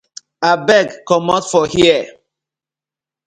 Abeg comot for here.